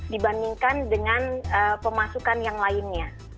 dibandingkan dengan pemasukan yang lainnya